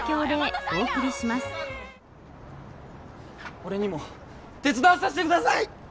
俺にも手伝わさせてください！